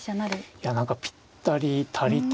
いや何かぴったり足りてますね。